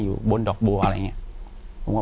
อยู่ที่แม่ศรีวิรัยยิวยวลครับ